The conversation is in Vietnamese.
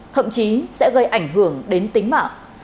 thậm chí sẽ gây ảnh hưởng đến tính mạng